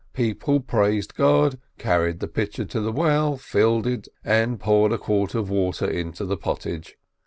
People praised God, carried the pitcher to the well, filled it, and poured a quart of water into the pottage.